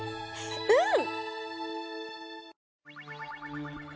うん！